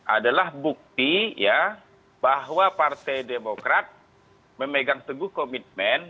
adalah bukti ya bahwa partai demokrat memegang teguh komitmen